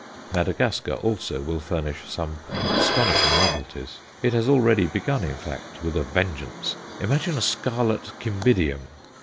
Madagascar also will furnish some astonishing novelties; it has already begun, in fact with a vengeance. Imagine a scarlet Cymbidium!